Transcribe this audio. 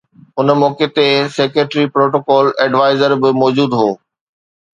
ان موقعي تي secretary protocol adviser به موجود هو